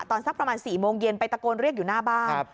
สักประมาณ๔โมงเย็นไปตะโกนเรียกอยู่หน้าบ้าน